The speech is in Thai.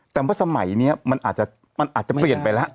แต่ว่าสมัยนี้มันอาจจะเปลี่ยนไปแล้ว